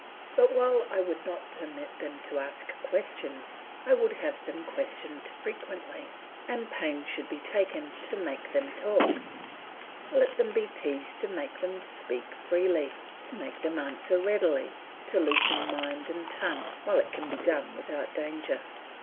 But while I would not permit them to ask questions, I would have them questioned frequently, and pains should be taken to make them talk; let them be teased to make them speak freely, to make them answer readily, to loosen mind and tongue while it can be done without danger.